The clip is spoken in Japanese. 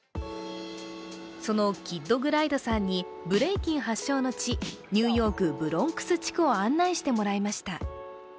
そのキッド・グライドさんにブレイキン発祥の地、ニューヨーク・ブロンクス地区を案内してもらいました。